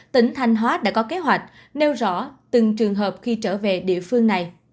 tỉnh thanh hóa đã có kế hoạch nêu rõ từng trường hợp khi trở về địa phương này